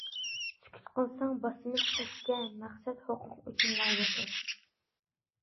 سۈكۈت قىلساڭ باسىمىز پەسكە، مەقسەت ھوقۇق ئۈچۈنلا ياشاش.